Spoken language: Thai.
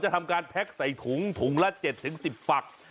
ทำการแพ็คใส่ถุงถุงละ๗๑๐ฝัก